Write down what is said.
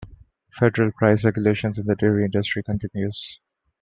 Federal price regulation in the dairy industry continues.